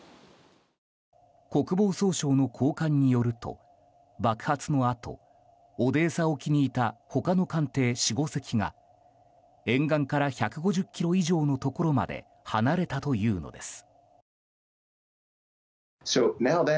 国防総省の高官によると爆発のあとオデーサ沖にいた他の艦艇４、５隻が沿岸から１５０ｋｍ以上のところまで離れたというのです。